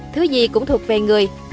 thứ gì cũng thuộc về người